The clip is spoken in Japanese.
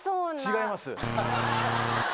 違います。